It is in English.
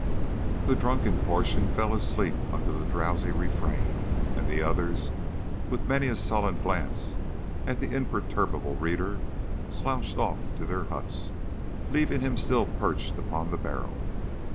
The drunken portion fell asleep under the drowsy refrain, and the others, with many a sullen glance at the imperturbable reader, slouched off to their huts, leaving him still perched upon the barrel.